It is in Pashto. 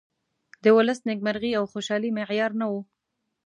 د ولس نیمکرغي او خوشالي معیار نه ؤ.